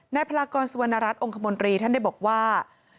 พลากรสุวรรณรัฐองคมนตรีท่านได้บอกว่า